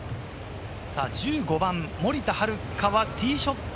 １５番、森田遥はティーショット。